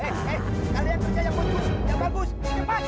hei hei kalian kerja yang bagus yang bagus cepat